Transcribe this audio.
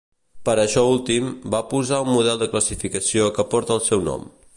Per a això últim, va proposar un model de classificació que porta el seu nom.